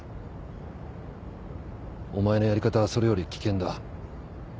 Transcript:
お前のやり方はそれより危険だ。